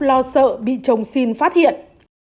lo sợ bị chồng xin phát hiện